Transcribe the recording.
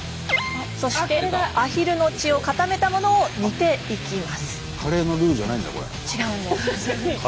そしてアヒルの血を固めたものを煮ていきます。